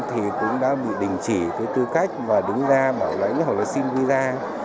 thì cũng đã bị đình chỉ với tư cách và đứng ra bảo lãnh hoặc là xin visa